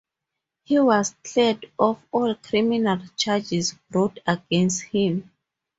He was cleared of all criminal charges brought against him.